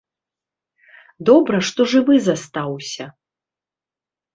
Добра, што жывы застаўся.